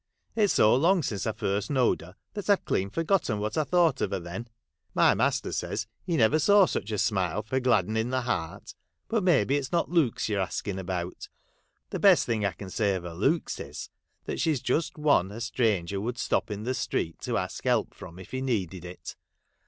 It 's so long since I first knowed her, that I Ve clean forgotten what I thought of her then. My Cklrlea Dickenn j LIZZIE LEIGH. 33 master says he never saw such a smile for gladdening the heart. But may be it 's not looks you 're asking about. The best thing I can say of her looks is, that she 's just one a stranger would stop in the street to ask help from if he needed it.